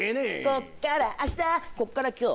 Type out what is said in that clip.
こっからあしたこっから今日。